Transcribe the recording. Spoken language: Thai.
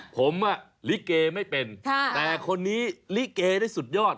ผมลิเกไม่เป็นแต่คนนี้ลิเกได้สุดยอด